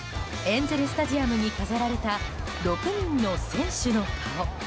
エンゼル・スタジアムに飾られた６人の選手の顔。